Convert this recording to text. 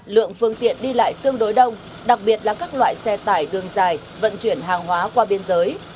lượng phương tiện đi lại tương đối đông đặc biệt là các loại xe tải đường dài vận chuyển hàng hóa qua biên giới